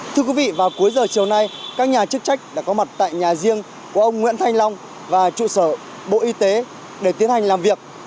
thưa quý vị vào cuối giờ chiều nay các nhà chức trách đã có mặt tại nhà riêng của ông nguyễn thanh long và trụ sở bộ y tế để tiến hành làm việc